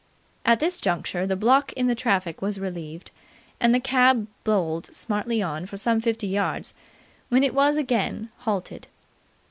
At this juncture the block in the traffic was relieved, and the cab bowled smartly on for some fifty yards when it was again halted.